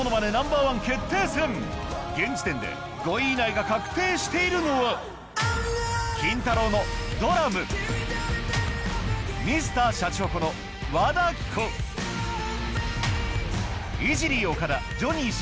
現時点で５位以内が確定しているのはキンタロー。のドラムＭｒ．シャチホコの和田アキ子イジリー岡田ジョニー志